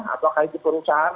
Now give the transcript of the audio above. atau kaiti perusahaan